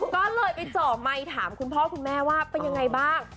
ก็เลยไปเจาะไมค์ถามคุณพ่อคุณแม่ว่าเป็นยังไงบ้าง